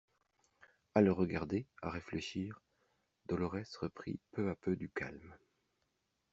A le regarder, à réfléchir, Dolorès reprit peu à peu du calme.